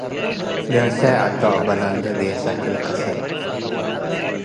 ጋሻይ ዐዱ አቅበለ - እንዶ ጌሰ ክል ከሰር